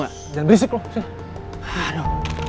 jangan berisik lo